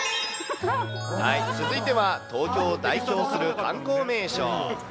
続いては東京を代表する観光名所。